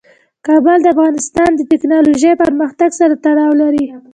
کابل د افغانستان د تکنالوژۍ پرمختګ سره تړاو لري.